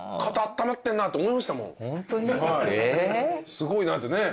すごいなってねえ？